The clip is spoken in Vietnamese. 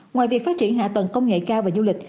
ngoài việc phát triển hạ tầng công nghệ cao và du lịch